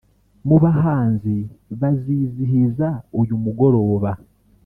Mu bahanzi bazizihiza uyu mugoroba